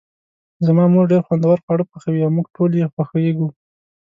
زما مور ډیر خوندور خواړه پخوي او موږ ټول یی خوښیږو